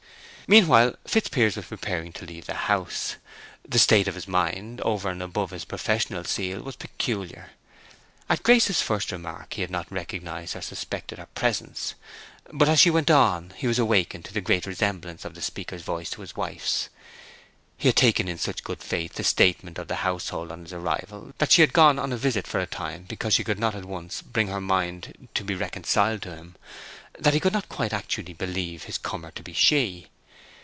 Meanwhile, Fitzpiers was preparing to leave the house. The state of his mind, over and above his professional zeal, was peculiar. At Grace's first remark he had not recognized or suspected her presence; but as she went on, he was awakened to the great resemblance of the speaker's voice to his wife's. He had taken in such good faith the statement of the household on his arrival, that she had gone on a visit for a time because she could not at once bring her mind to be reconciled to him, that he could not quite actually believe this comer to be she.